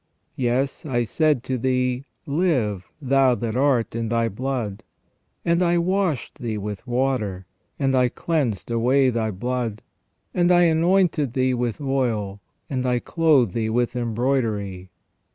Yes, I said to thee : Live, thou that art in thy blood. ... And I washed thee with water, and I cleansed away thy blood ; and I anointed thee with oil, and I clothed thee with embroidery.